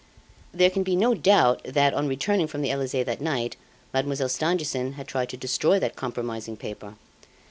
"There can be no doubt that, on returning from the Elysee that night, Mademoiselle Stangerson had tried to destroy that compromising paper.